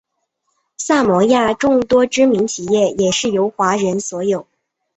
萨摩亚众多知名企业也是由华人所有。